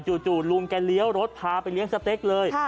จู่ลุงแกเลี้ยวรถพาไปเลี้ยงสเต็กเลย